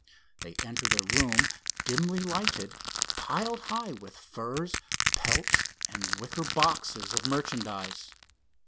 They entered a room dimly lighted, piled high with furs, pelts and wicker boxes of merchandise.